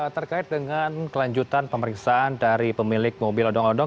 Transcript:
terkait dengan kelanjutan pemeriksaan dari pemilik mobil odong odong